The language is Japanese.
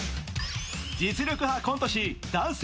実力派コント師男性